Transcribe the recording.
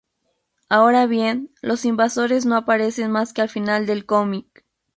Ahora bien, los invasores no aparecen más que al final del cómic.